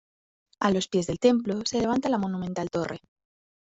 A los pies del templo se levanta la monumental torre.